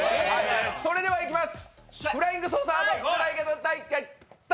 それではいきます！